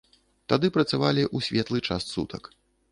Тады працавалі ў светлы час сутак.